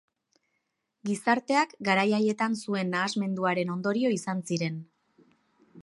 Gizarteak garai haietan zuen nahasmenduaren ondorio izan ziren.